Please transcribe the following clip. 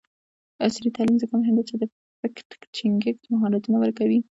عصري تعلیم مهم دی ځکه چې د فکټ چیکینګ مهارتونه ورکوي.